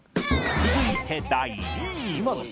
続いて第２位